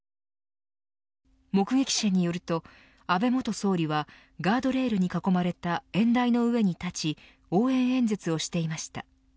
目撃者によると、安倍元総理はガードレールに囲まれた演台の上に立ち応援演説をしていました。